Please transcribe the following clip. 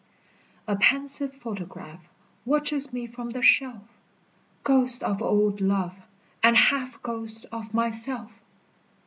A pensive photograph Watches me from the shelf Ghost of old love, and half Ghost of myself!